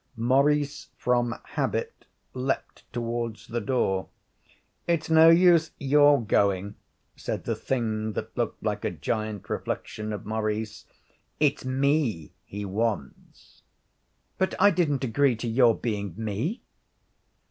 Maurice, from habit, leaped towards the door. 'It's no use your going,' said the thing that looked like a giant reflection of Maurice; 'it's me he wants.' 'But I didn't agree to your being me.'